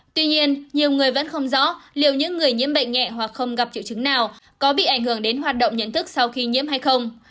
tuy nhiên nhiều người vẫn không rõ liệu những người nhiễm bệnh nhẹ hoặc không gặp triệu chứng nào có bị ảnh hưởng đến hoạt động nhận thức sau khi nhiễm hay không